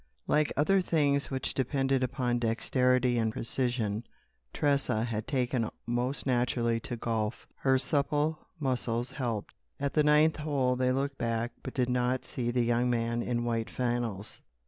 Like other things which depended upon dexterity and precision, Tressa had taken most naturally to golf. Her supple muscles helped. At the ninth hole they looked back but did not see the young man in white flannels.